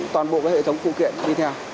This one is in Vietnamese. toàn bộ hệ thống phụ kiện đi theo